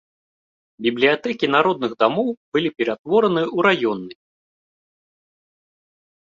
Бібліятэкі народных дамоў былі ператвораныя ў раённыя.